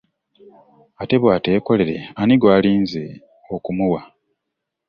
Ate bw’ateekolere, ani gw’alinze okumuwa?